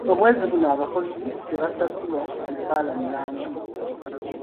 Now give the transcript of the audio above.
Omwezi guno abakozi tebasasulwa musaala mulamba.